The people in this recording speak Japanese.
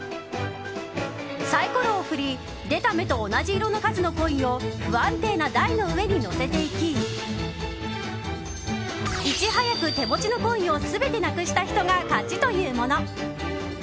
サイコロを振り出た目と同じ色の数のコインを不安定な台の上に載せていきいち早く手持ちのコインを全てなくした人が勝ちというもの。